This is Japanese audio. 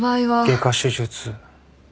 外科手術。